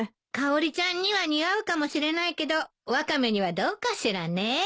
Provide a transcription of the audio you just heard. かおりちゃんには似合うかもしれないけどワカメにはどうかしらね。